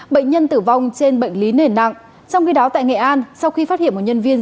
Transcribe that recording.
bệnh nhân tử vong trên bệnh lý nền nặng trong khi đó tại nghệ an sau khi phát hiện một nhân viên